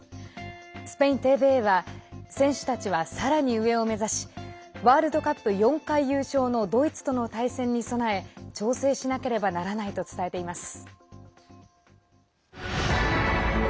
スペインＴＶＥは選手たちは、さらに上を目指しワールドカップ４回優勝のドイツとの対戦に備え調整しなければならないと伝えています。